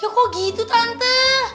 ya kok gitu tante